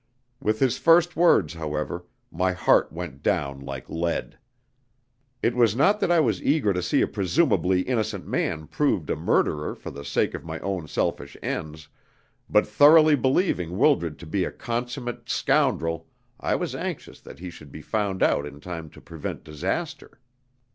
With his first words, however, my heart went down like lead. It was not that I was eager to see a presumably innocent man proved a murderer for the sake of my own selfish ends, but thoroughly believing Wildred to be a consummate scoundrel, I was anxious that he should be found out in time to prevent disaster.